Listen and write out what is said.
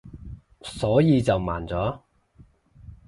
所以就慢咗